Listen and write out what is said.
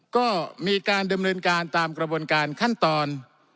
ก็มีการดำเนินการตามกระบวนการขั้นตอน